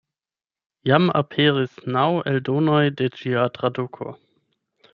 Jam aperis naŭ eldonoj de ĝia traduko.